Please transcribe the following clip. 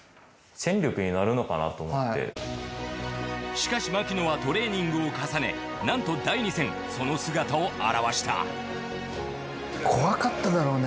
しかし牧野はトレーニングを重ねなんと第２戦その姿を現した怖かっただろうね